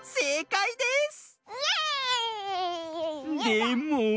でも。